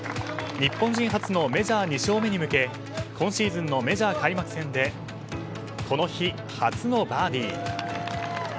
日本人初のメジャー２勝目に向け今シーズンのメジャー開幕戦でこの日、初のバーディー。